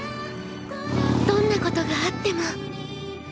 どんなことがあっても。